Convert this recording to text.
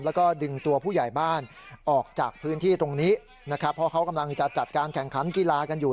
แล้วก็ดึงตัวผู้ใหญ่บ้านออกจากพื้นที่ตรงนี้นะครับเพราะเขากำลังจะจัดการแข่งขันกีฬากันอยู่